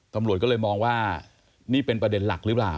ตำรวจก็เลยมองว่านี่เป็นประเด็นหลักหรือเปล่า